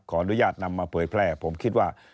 ขออนุญาตนำมาเผยแพร่ผมคิดว่า